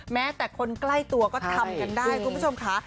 แม้แต่คนใกล้ตัวก็ทำกันได้คุณผู้ชมค่ะ